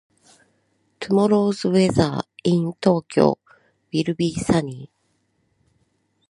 Tomorrow's weather in Tokyo will be sunny.